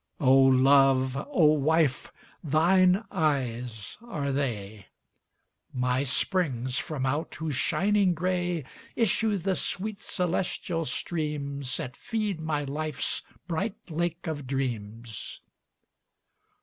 O Love, O Wife, thine eyes are they, My springs from out whose shining gray Issue the sweet celestial streams That feed my life's bright Lake of Dreams.